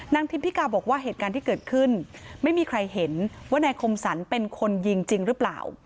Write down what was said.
ทิมพิกาบอกว่าเหตุการณ์ที่เกิดขึ้นไม่มีใครเห็นว่านายคมสรรเป็นคนยิงจริงหรือเปล่า